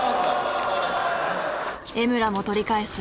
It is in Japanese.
江村も取り返す。